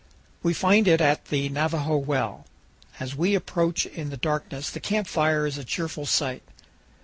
We find it at the Navajo Well. As we approach in the darkness the camp fire is a cheerful sight.